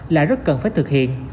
là rất cần phải thực hiện